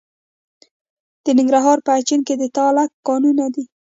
د ننګرهار په اچین کې د تالک کانونه دي.